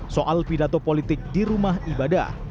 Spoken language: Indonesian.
soal pidato politik di rumah ibadah